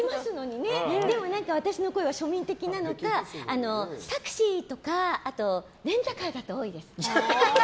でも何か私の声は庶民的なのかタクシーとかレンタカーだと多いです。